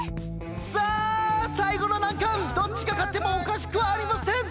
さあさいごのなんかんどっちがかってもおかしくありません！